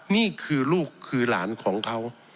นี่คือลูกคือหลานของเขา